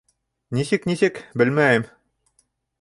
Нисек, нисек... белмәйем.